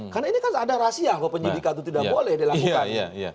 karena ini kan ada rahasia kalau penyidikan itu tidak boleh dilakukan